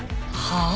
はあ？